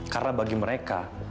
karena bagi mereka